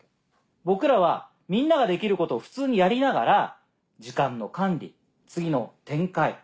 僕らはみんなができることを普通にやりながら時間の管理次の展開